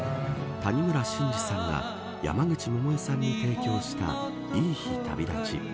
谷村新司さんが山口百恵さんに提供したいい日旅立ち。